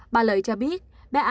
bà lợi cho biết bé a là con con